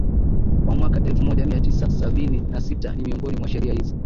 ya mwaka elfu moja mia tisa sabini na sita ni miongoni mwa sheria hizi